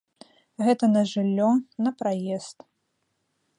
Гэта на жыллё, на праезд.